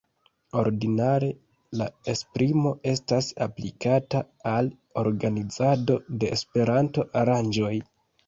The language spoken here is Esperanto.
Ordinare la esprimo estas aplikata al organizado de Esperanto-aranĝoj.